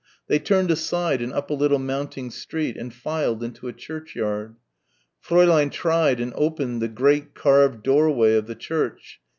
They turned aside and up a little mounting street and filed into a churchyard. Fräulein tried and opened the great carved doorway of the church